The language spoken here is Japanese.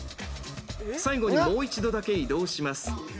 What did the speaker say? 最後にもう一度だけ移動します。